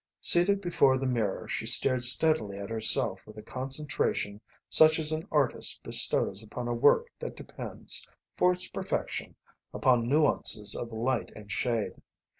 Seated before the mirror, she stared steadily at herself with a concentration such as an artist bestows upon a work that depends, for its perfection, upon nuances of light and shade.